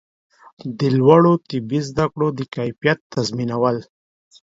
د لوړو طبي زده کړو د کیفیت تضمینول